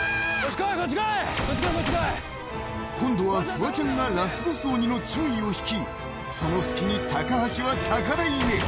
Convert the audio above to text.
今度はフワちゃんがラスボス鬼の注意を引き、その隙に、高橋は高台へ。